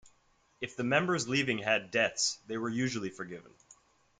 If the members leaving had debts, they were usually forgiven.